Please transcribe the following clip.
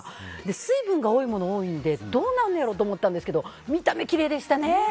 水分が多いものが多いのでどうなるんやろと思ったけど見た目きれいでしたね。